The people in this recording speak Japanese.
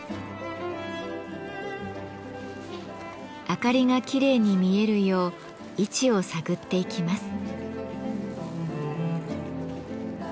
明かりがきれいに見えるよう位置を探っていきます。